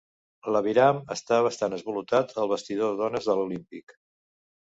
L'aviram està bastant esvalotat al vestidor de dones de l'Olímpic.